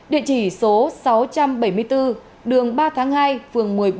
địa chỉ số sáu trăm bảy mươi bốn đường ba tháng hai phường một mươi bốn